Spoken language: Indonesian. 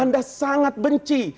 anda sangat benci